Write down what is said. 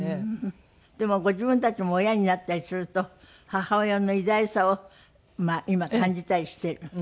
でもご自分たちも親になったりすると母親の偉大さを今感じたりしている。